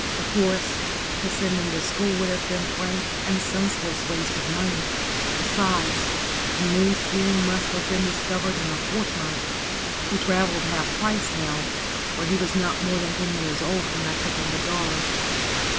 Of course, to send him to school would have been frank and senseless waste of money. Besides, the New Scheme must have been discovered in a fortnight. He travelled half price now, for he was not more than ten years old when I took him to Dawlish.